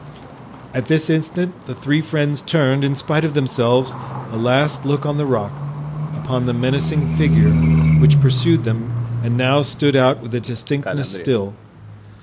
At this instant the three friends turned, in spite of themselves, a last look on the rock, upon the menacing figure which pursued them and now stood out with a distinctness still.